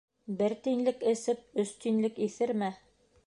Бер тинлек эсеп, өс тинлек иҫермә.